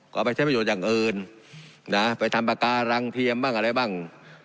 กอบไปซึ่งอยู่อย่างเอิญนะไปทำการรังเทียมบ้างอะไรบ้าง